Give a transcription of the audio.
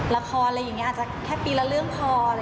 ละครอะไรอย่างนี้อาจจะแค่ปีละเรื่องพอ